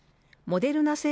モデルナ